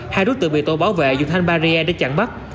hai đối tượng bị tội bảo vệ dùng thanh barrier để chặn bắt